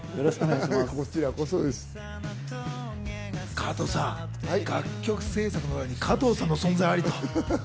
加藤さん、楽曲制作の裏に加藤さんの存在ありと。